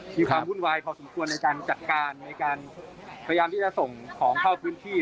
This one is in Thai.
มีความวุ่นวายพอสมควรในการจัดการในการพยายามที่จะส่งของเข้าพื้นที่